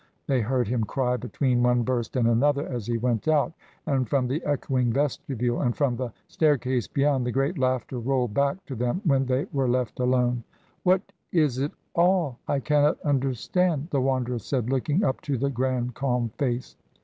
they heard him cry, between one burst and another as he went out, and from the echoing vestibule, and from the staircase beyond, the great laughter rolled back to them when they were left alone. "What is it all? I cannot understand," the Wanderer said, looking up to the grand calm face.